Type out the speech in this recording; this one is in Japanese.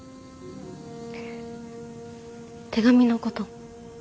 手紙のこと。